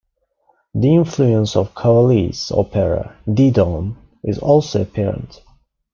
The influence of Cavalli's opera "Didone" is also apparent.